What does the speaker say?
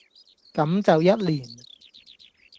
咁就一年